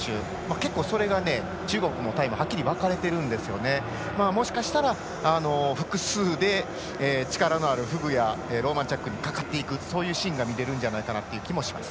結構、それが中国もタイもはっきり分かれてるのでもしかしたら複数で力のあるフグやローマンチャックにかかっていくというシーンも見られるかなと思います。